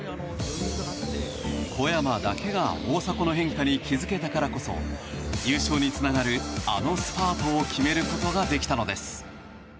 小山だけが大迫の変化に気づけたからこそ優勝につながるあのスパートを決めることができたのです。